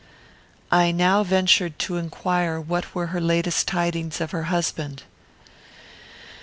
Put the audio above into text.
I now ventured to inquire what were her latest tidings of her husband.